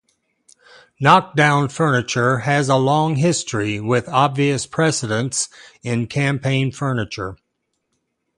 Knockdown furniture has a long history, with obvious precedents in campaign furniture.